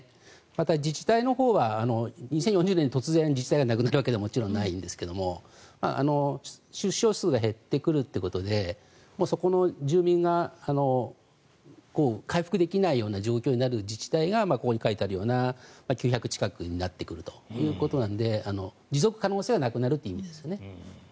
また、自治体のほうは２０４０年に突然、自治体がなくなるわけではないんですが出生数が減ってくるということでそこの住民が回復できないようになる自治体がここに書いてあるような９００近くになってくるということなので持続可能性はなくなるという意味ですね。